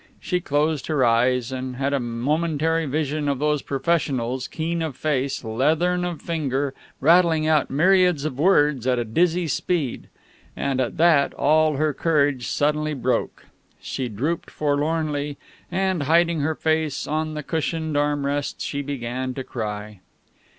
She closed her eyes, and had a momentary vision of those professionals, keen of face, leathern of finger, rattling out myriads of words at a dizzy speed. And, at that, all her courage suddenly broke; she drooped forlornly, and, hiding her face on the cushioned arm rest, she began to cry.